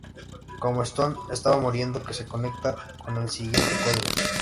Como Stone estaba muriendo, que se conecta con el siguiente código.